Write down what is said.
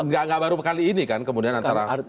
nggak baru kali ini kan kemudian antara